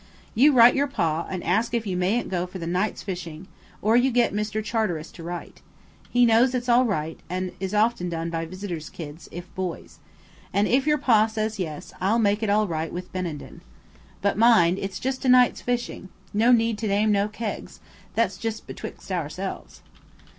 You write your pa, and ask if you mayn't go for the night's fishing or you get Mr. Charteris to write. He knows it's all right, and often done by visitors' kids, if boys. And if your pa says yes, I'll make it all right with Benenden. But mind, it's just a night's fishing. No need to name no kegs. That's just betwixt ourselves."